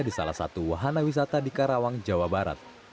di salah satu wahana wisata di karawang jawa barat